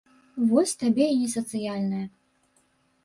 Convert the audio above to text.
Вось табе і не сацыяльная.